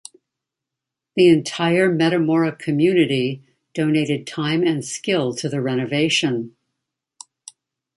The entire Metamora community donated time and skill to the renovation.